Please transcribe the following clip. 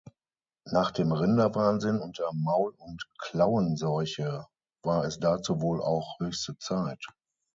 Nach dem Rinderwahnsinn und der Maul- und Klauenseuche war es dazu wohl auch höchste Zeit.